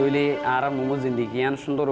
saya mau hidup di rakhine